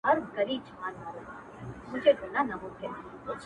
د سندرو سره غبرګي وايي ساندي٫